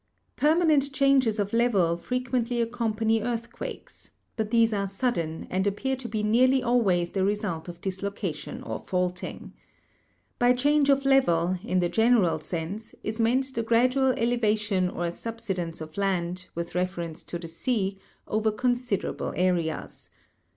Permanent changes of level frequently accompany earth quakes, but these are sudden, and appear to be nearly always the result of dislocation or faulting. By change of level, in the general sense, is meant the gradual ele vation or subsidence of land, with reference to the sea, over considerable areas.